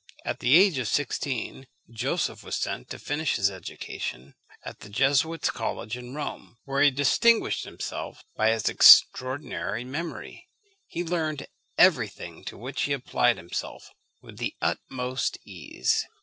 At the age of sixteen Joseph was sent to finish his education at the Jesuits' college in Rome, where he distinguished himself by his extraordinary memory. He learned every thing to which he applied himself with the utmost ease.